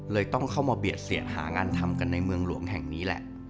ต้องเข้ามาเบียดเสียดหางานทำกันในเมืองหลวงแห่งนี้แหละ